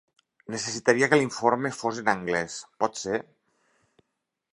Necessitaria que l'informe fos en anglès, pot ser?